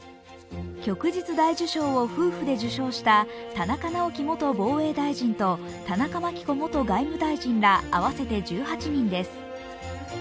旭日大綬章を夫婦で受賞した田中直樹元防衛大臣と田中真紀子元外務大臣ら合わせて１８人です。